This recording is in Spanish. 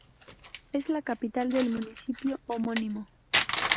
Es la capital del municipio homónimo.